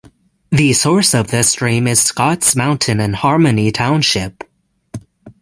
The source of the stream is Scotts Mountain in Harmony Township.